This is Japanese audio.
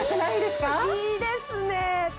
いいですね。